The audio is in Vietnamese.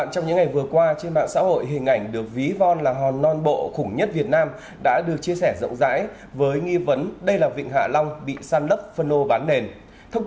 trên mạng xã hội là không đúng sự thật